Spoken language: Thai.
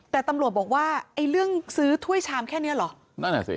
แต่ตำรวจบอกว่าไอ้เรื่องซื้อถ้วยชามแค่เนี้ยเหรอนั่นแหละสิ